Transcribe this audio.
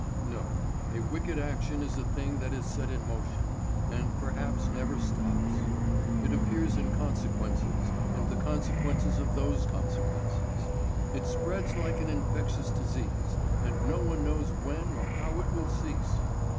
No, a wicked action is a thing that is set in motion, and perhaps never stops. It appears in consequences and the consequences of those consequences; it spreads like an infectious disease, and no one knows when or how it will cease.